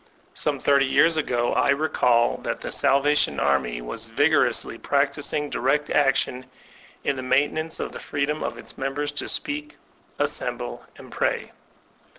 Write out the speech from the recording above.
Some thirty years ago I recall that the Salvation Army was vigorously practbing direct action in the maintenance of the freedom of its members to qieak, assemble, and pray.